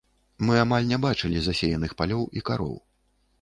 Мы амаль не бачылі засеяных палёў і кароў.